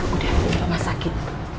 bu dia rumah sakit